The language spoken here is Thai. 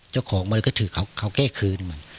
เจ้าของมันก็ถือเขาแก้คืนมัน